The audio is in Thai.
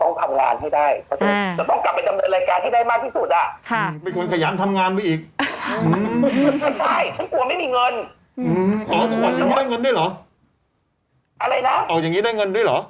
ออกแบบนี้เหรอก็ไม่รู้ก็อย่างนึงก็ต้องได้เงินเดี๋ยวมั้ย